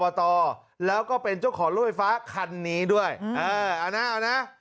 แล้วก็เป็นเจ้าของรถไฟฟ้าคันนี้ด้วยเออเอานะเอานะ